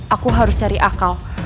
aku harus cari akal